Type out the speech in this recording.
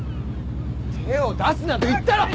手を出すなと言ったろ！